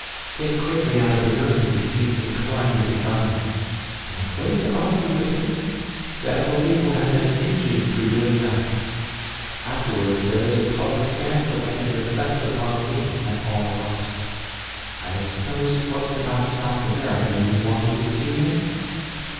"Get quickly out of the room if he seems inclined to be violent. Don't wait to argue with him. Several people have been injured through doing that. Afterwards there is a public scandal and it reflects upon me and all of us. I suppose it wasn't about South America you wanted to see him?"